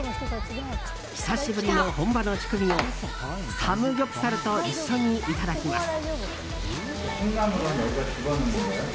久しぶりの本場のチュクミをサムギョプサルと一緒にいただきます。